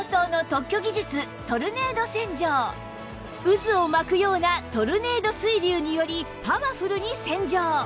渦を巻くようなトルネード水流によりパワフルに洗浄！